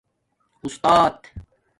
اُستات